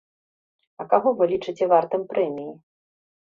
А каго вы лічыце вартым прэміі?